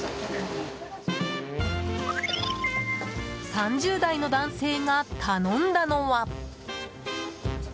３０代の男性が頼んだのは。